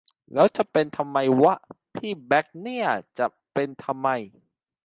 แล้วจะเป็นทำไมวะ พี่แบ่คเนี่ย จะเป็นทำไม